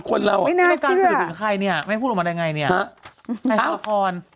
คนเราไม่น่าเชื่อใครเนี้ยไม่พูดลงมาได้ไงเนี้ยฮะละคร